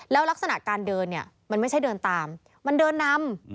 แล้วลักษณะการเดินเนี่ยมันไม่ใช่เดินตามมันเดินนำ